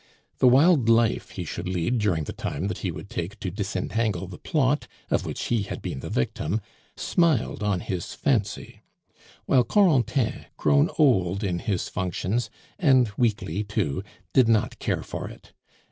The wild life he should lead during the time that he would take to disentangle the plot of which he had been the victim, smiled on his fancy; while Corentin, grown old in his functions, and weakly too, did not care for it.